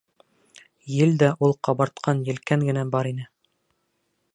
Ел дә ул ҡабартҡан елкән генә бар ине.